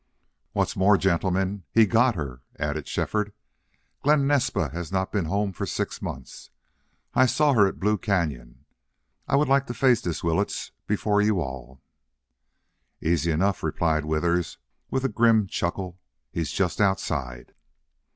"What's more, gentlemen, he GOT her," added Shefford. "Glen Naspa has not been home for six months. I saw her at Blue Cañon.... I would like to face this Willetts before you all." "Easy enough," replied Withers, with a grim chuckle. "He's just outside."